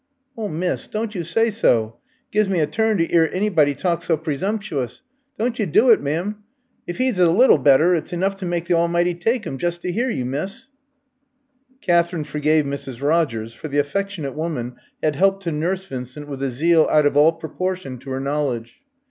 "Oh, miss! don't you sy so! It gives me a turn to 'ear anybody talk so presumptuous. Don't you do it, m'm. If 'e is a little better, it's enuff to make the Almighty tyke 'im, jest to 'ear you, miss." Katherine forgave Mrs. Rogers, for the affectionate woman had helped to nurse Vincent with a zeal out of all proportion to her knowledge.